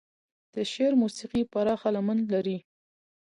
د شعر موسيقي پراخه لمن لري.